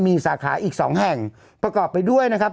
มีสาขาอีก๒แห่งประกอบไปด้วยนะครับ